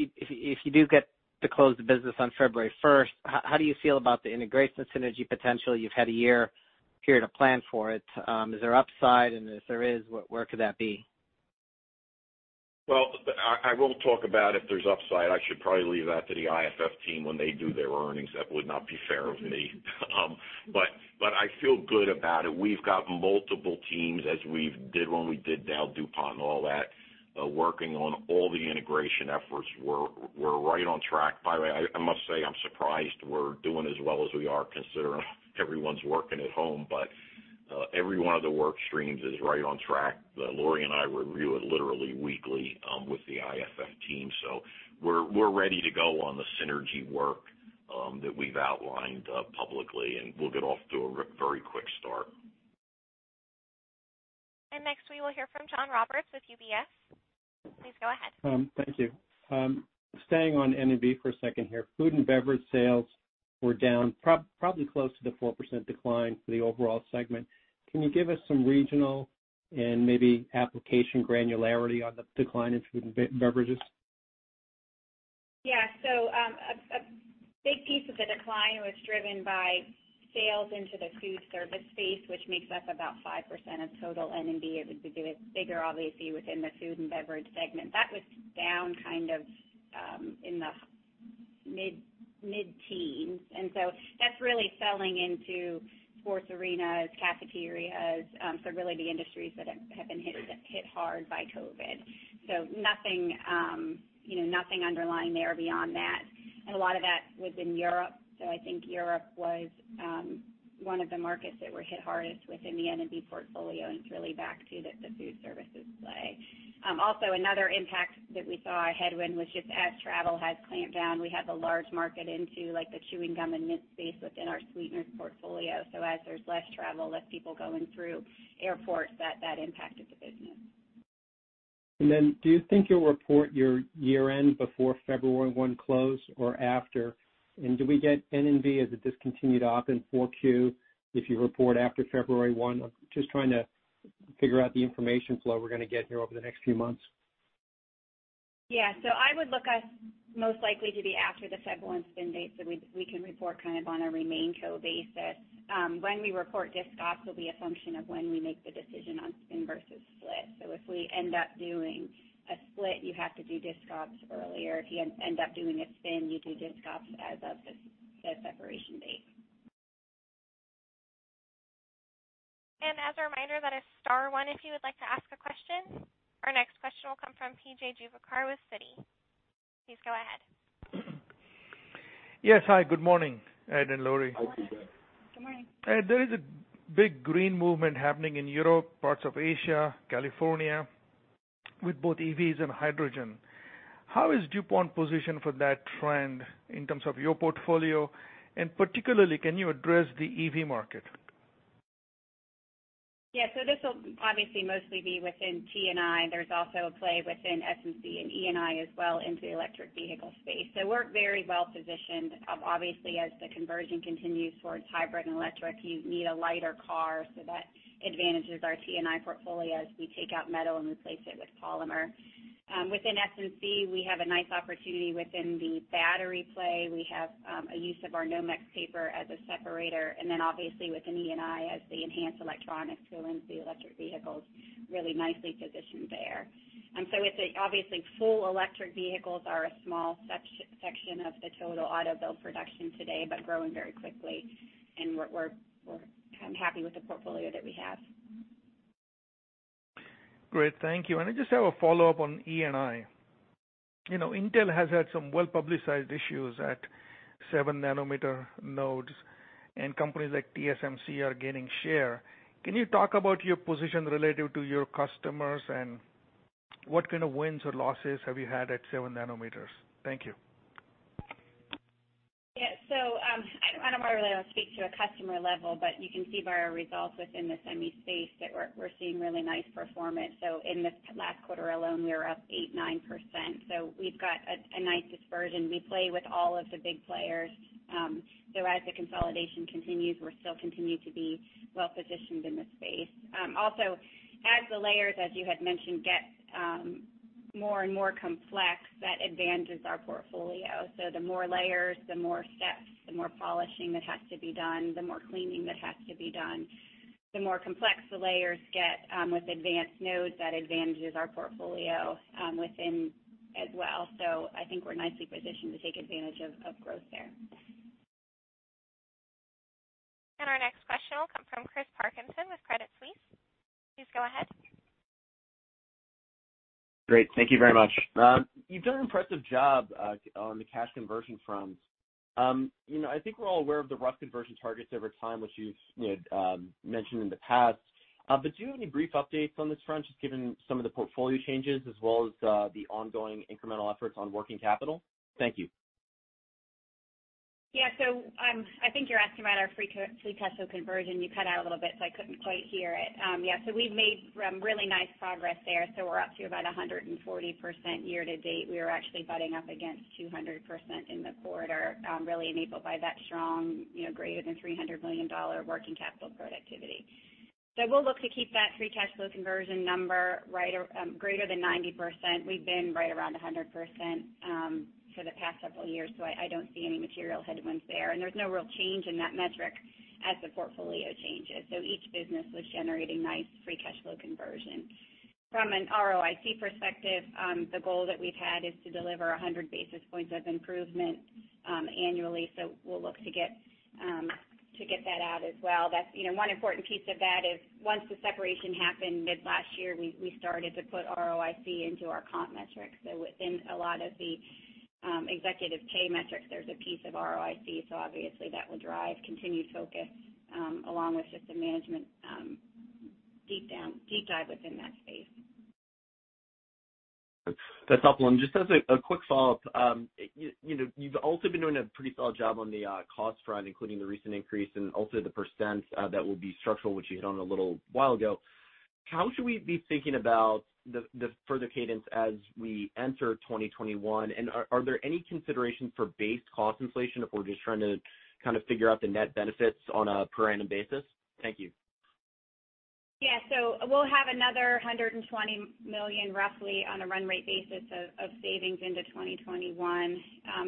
Speaker 13: you do get to close the business on February 1st, how do you feel about the integration synergy potential? You've had a year period to plan for it. Is there upside? If there is, where could that be?
Speaker 3: Well, I won't talk about if there's upside. I should probably leave that to the IFF team when they do their earnings. That would not be fair of me. I feel good about it. We've got multiple teams, as we did when we did DowDuPont and all that, working on all the integration efforts. We're right on track. By the way, I must say, I'm surprised we're doing as well as we are considering everyone's working at home. Every one of the work streams is right on track. Lori and I review it literally weekly with the IFF team, so we're ready to go on the synergy work that we've outlined publicly, and we'll get off to a very quick start.
Speaker 1: Next we will hear from John Roberts with UBS. Please go ahead.
Speaker 14: Thank you. Staying on N&B for a second here, food and beverage sales were down probably close to the 4% decline for the overall segment. Can you give us some regional and maybe application granularity on the decline in food and beverages?
Speaker 4: Yeah. A big piece of the decline was driven by sales into the food service space, which makes up about 5% of total N&B. It would be bigger, obviously, within the food and beverage segment. That was down kind of in the mid-teens. That's really selling into sports arenas, cafeterias, so really the industries that have been hit hard by COVID. Nothing underlying there beyond that. A lot of that was in Europe. I think Europe was one of the markets that were hit hardest within the N&B portfolio, and it's really back to the food services play. Also, another impact that we saw, a headwind, was just as travel has clamped down, we have a large market into the chewing gum and mints space within our sweeteners portfolio. As there's less travel, less people going through airports, that impacted the business.
Speaker 14: Do you think you'll report your year-end before February one close or after? Do we get N&B as a discontinued op in 4Q if you report after February 1? I'm just trying to figure out the information flow we're going to get here over the next few months.
Speaker 4: Yeah. I would look at most likely to be after the February 1 spin date, so we can report kind of on a remainco basis. When we report disc ops will be a function of when we make the decision on spin versus split. If we end up doing a split, you have to do disc ops earlier. If you end up doing a spin, you do disc ops as of the separation date.
Speaker 1: As a reminder, that is star one if you would like to ask a question. Our next question will come from P.J. Juvekar with Citi. Please go ahead.
Speaker 15: Yes. Hi, good morning, Ed and Lori.
Speaker 3: Good morning.
Speaker 4: Good morning.
Speaker 15: Ed, there is a big green movement happening in Europe, parts of Asia, California, with both EVs and hydrogen. How is DuPont positioned for that trend in terms of your portfolio? Particularly, can you address the EV market?
Speaker 4: Yeah. This will obviously mostly be within T&I. There's also a play within S&C and E&I as well into the electric vehicle space. We're very well positioned. Obviously, as the conversion continues towards hybrid and electric, you need a lighter car, so that advantages our T&I portfolio as we take out metal and replace it with polymer. Within S&C, we have a nice opportunity within the battery play. We have a use of our Nomex paper as a separator, and then obviously within E&I as the enhanced electronics go into the electric vehicles, really nicely positioned there. Obviously, full electric vehicles are a small section of the total auto build production today, but growing very quickly, and we're happy with the portfolio that we have.
Speaker 15: Great. Thank you. I just have a follow-up on E&I. Intel has had some well-publicized issues at seven-nanometer nodes, and companies like TSMC are gaining share. Can you talk about your position relative to your customers, and what kind of wins or losses have you had at seven nanometers? Thank you.
Speaker 4: Yeah. I don't know whether I'll speak to a customer level, but you can see by our results within the semi space that we're seeing really nice performance. In this last quarter alone, we were up eight, 9%. We've got a nice dispersion. We play with all of the big players. As the layers, as you had mentioned, get more and more complex, that advantages our portfolio. The more layers, the more steps, the more polishing that has to be done, the more cleaning that has to be done. The more complex the layers get with advanced nodes, that advantages our portfolio within as well. I think we're nicely positioned to take advantage of growth there.
Speaker 1: Our next question will come from Chris Parkinson with Credit Suisse. Please go ahead.
Speaker 16: Great. Thank you very much. You've done an impressive job on the cash conversion front. I think we're all aware of the rough conversion targets over time, which you've mentioned in the past. Do you have any brief updates on this front, just given some of the portfolio changes as well as the ongoing incremental efforts on working capital? Thank you.
Speaker 4: I think you're asking about our free cash flow conversion. You cut out a little bit, so I couldn't quite hear it. We've made really nice progress there. We're up to about 140% year to date. We were actually butting up against 200% in the quarter, really enabled by that strong greater than $300 million working capital productivity. We'll look to keep that free cash flow conversion number greater than 90%. We've been right around 100% for the past several years, so I don't see any material headwinds there, and there's no real change in that metric as the portfolio changes. Each business was generating nice free cash flow conversion. From an ROIC perspective, the goal that we've had is to deliver 100 basis points of improvement annually. We'll look to get that out as well. One important piece of that is once the separation happened mid last year, we started to put ROIC into our comp metrics. Within a lot of the executive pay metrics, there's a piece of ROIC. Obviously that will drive continued focus along with just the management deep dive within that space.
Speaker 16: That's helpful. Just as a quick follow-up, you've also been doing a pretty solid job on the cost front, including the recent increase and also the percents that will be structural, which you hit on a little while ago. How should we be thinking about the further cadence as we enter 2021, and are there any considerations for base cost inflation if we're just trying to kind of figure out the net benefits on a per annum basis? Thank you.
Speaker 4: Yeah. We'll have another $120 million roughly on a run rate basis of savings into 2021.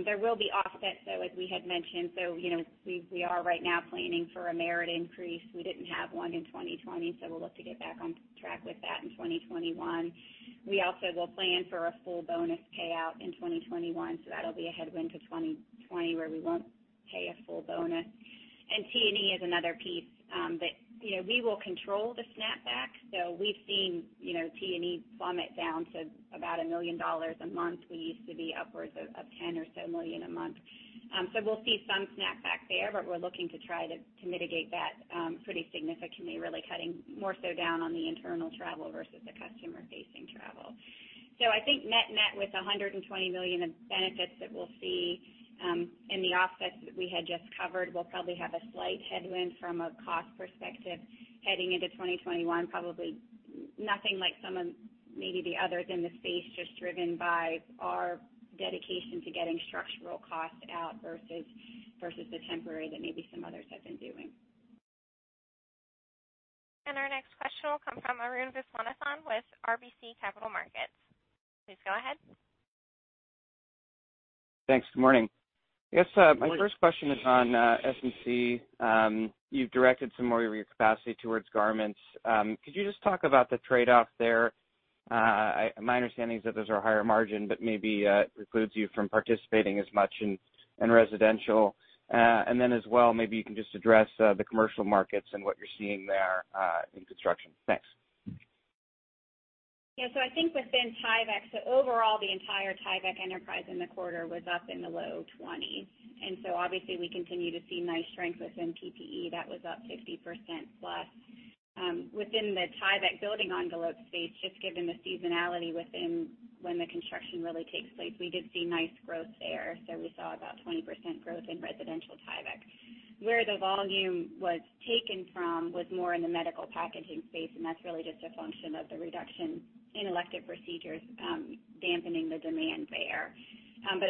Speaker 4: There will be offsets, though, as we had mentioned. We are right now planning for a merit increase. We didn't have one in 2020. We'll look to get back on track with that in 2021. We also will plan for a full bonus payout in 2021. That'll be a headwind to 2020 where we won't pay a full bonus. T&E is another piece that we will control the snapback. We've seen T&E plummet down to about $1 million a month. We used to be upwards of $10 million or so a month. We'll see some snapback there, but we're looking to try to mitigate that pretty significantly, really cutting more so down on the internal travel versus the customer-facing travel. I think net-net, with $120 million of benefits that we'll see in the offsets that we had just covered, we'll probably have a slight headwind from a cost perspective heading into 2021, probably nothing like some of maybe the others in the space, just driven by our dedication to getting structural costs out versus the temporary that maybe some others have been doing.
Speaker 1: Our next question will come from Arun Viswanathan with RBC Capital Markets. Please go ahead.
Speaker 17: Thanks. Good morning. I guess my first question is on S&C. You've directed some more of your capacity towards garments. Could you just talk about the trade-off there? My understanding is that those are higher margin, but maybe it precludes you from participating as much in residential. Then as well, maybe you can just address the commercial markets and what you're seeing there in construction. Thanks.
Speaker 4: I think within Tyvek, overall, the entire Tyvek enterprise in the quarter was up in the low 20%. Obviously we continue to see nice strength within PPE. That was up 50%+. Within the Tyvek building envelope space, just given the seasonality within when the construction really takes place, we did see nice growth there. We saw about 20% growth in residential Tyvek. Where the volume was taken from was more in the medical packaging space, and that's really just a function of the reduction in elective procedures dampening the demand there.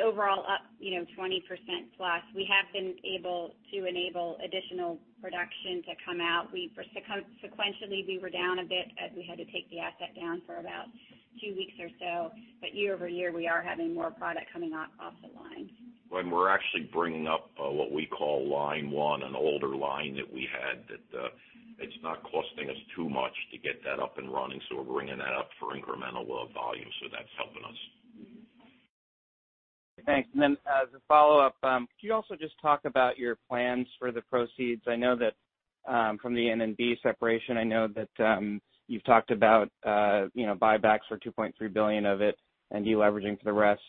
Speaker 4: Overall up 20%+. We have been able to enable additional production to come out. Sequentially, we were down a bit as we had to take the asset down for about two weeks or so, but year-over-year, we are having more product coming off the line.
Speaker 3: We're actually bringing up what we call line 1, an older line that we had. It's not costing us too much to get that up and running. We're bringing that up for incremental volume. That's helping us.
Speaker 17: Thanks. Then as a follow-up, could you also just talk about your plans for the proceeds? From the N&B separation, I know that you've talked about buybacks for $2.3 billion of it and de-leveraging for the rest.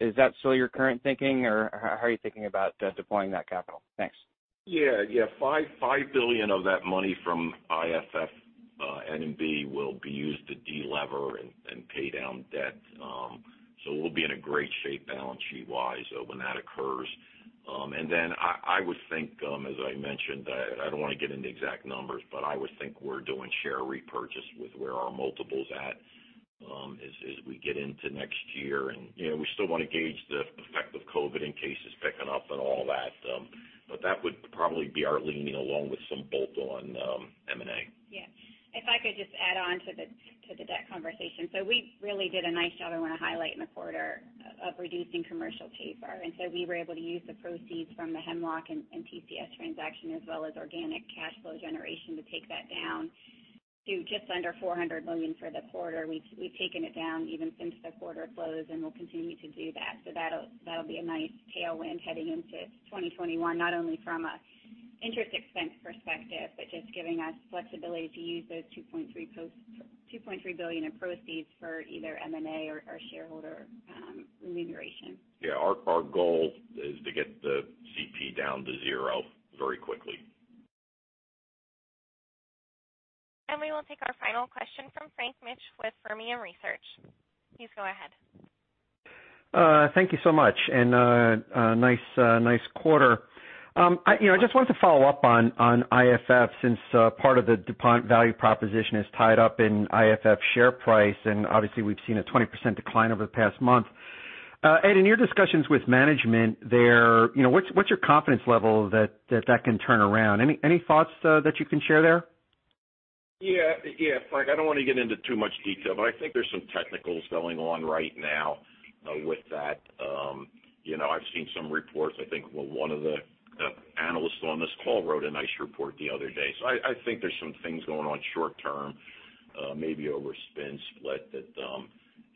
Speaker 17: Is that still your current thinking, or how are you thinking about deploying that capital? Thanks.
Speaker 3: Yeah. $5 billion of that money from IFF, N&B will be used to de-lever and pay down debt. We'll be in a great shape balance sheet wise when that occurs. I would think, as I mentioned, I don't want to get into exact numbers, but I would think we're doing share repurchase with where our multiple's at as we get into next year and we still want to gauge the effect of COVID and cases picking up and all that. That would probably be our leaning, along with some bolt-on M&A.
Speaker 4: Yeah. If I could just add on to the debt conversation. We really did a nice job, I want to highlight, in the quarter of reducing commercial paper. We were able to use the proceeds from the Hemlock and TCS transaction as well as organic cash flow generation to take that down to just under $400 million for the quarter. We've taken it down even since the quarter closed, and we'll continue to do that. That'll be a nice tailwind heading into 2021, not only from an interest expense perspective, but just giving us flexibility to use those $2.3 billion in proceeds for either M&A or shareholder remuneration.
Speaker 3: Yeah, our goal is to get the CP down to zero very quickly.
Speaker 1: We will take our final question from Frank Mitsch with Fermium Research. Please go ahead.
Speaker 18: Thank you so much. Nice quarter. I just wanted to follow up on IFF since part of the DuPont value proposition is tied up in IFF share price, and obviously we've seen a 20% decline over the past month. Ed, in your discussions with management there, what's your confidence level that that can turn around? Any thoughts that you can share there?
Speaker 3: Yeah. Frank, I don't want to get into too much detail. I think there's some technicals going on right now with that. I've seen some reports. I think one of the analysts on this call wrote a nice report the other day. I think there's some things going on short- term, maybe over spin split that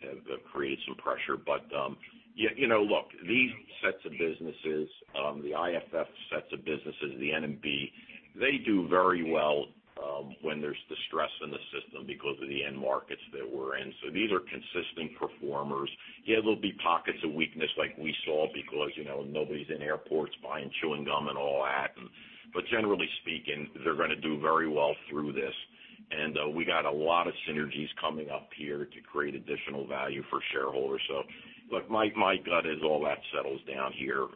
Speaker 3: have created some pressure. Look, these sets of businesses, the IFF sets of businesses, the N&B, they do very well when there's distress in the system because of the end markets that we're in. These are consistent performers. Yeah, there'll be pockets of weakness like we saw because nobody's in airports buying chewing gum and all that. Generally speaking, they're going to do very well through this. We got a lot of synergies coming up here to create additional value for shareholders. Look, my gut is all that settles down here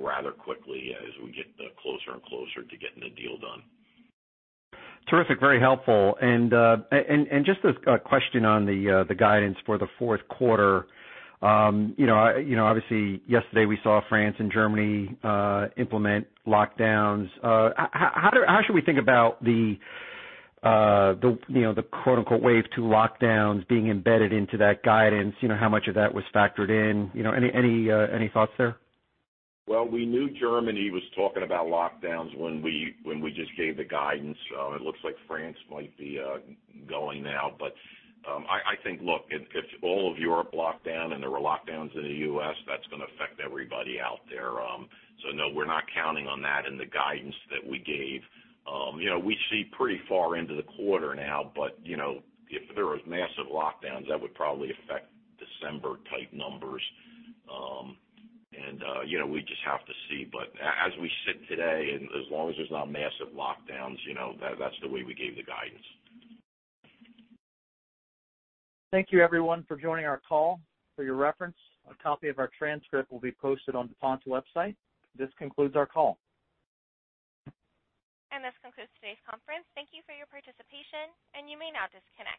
Speaker 3: rather quickly as we get closer and closer to getting the deal done.
Speaker 18: Terrific. Very helpful. Just a question on the guidance for the fourth quarter. Obviously, yesterday we saw France and Germany implement lockdowns. How should we think about the "wave 2 lockdowns" being embedded into that guidance? How much of that was factored in? Any thoughts there?
Speaker 3: Well, we knew Germany was talking about lockdowns when we just gave the guidance. It looks like France might be going now, I think, look, if all of Europe locked down and there were lockdowns in the U.S., that's going to affect everybody out there. No, we're not counting on that in the guidance that we gave. We see pretty far into the quarter now, if there was massive lockdowns, that would probably affect December type numbers. We just have to see. As we sit today, and as long as there's not massive lockdowns, that's the way we gave the guidance.
Speaker 2: Thank you everyone for joining our call. For your reference, a copy of our transcript will be posted on DuPont's website. This concludes our call.
Speaker 1: This concludes today's conference. Thank you for your participation, and you may now disconnect.